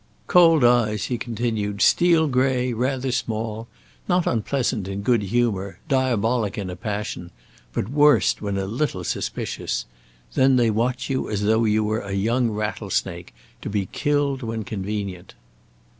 "Cold eyes," he continued; "steel grey, rather small, not unpleasant in good humour, diabolic in a passion, but worst when a little suspicious; then they watch you as though you were a young rattle snake, to be killed when convenient."